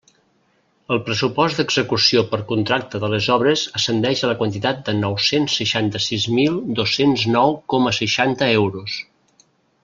El pressupost d'execució per contracta de les obres ascendix a la quantitat de nou-cents seixanta-sis mil dos-cents nou coma seixanta euros.